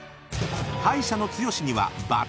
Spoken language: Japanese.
［敗者の剛には］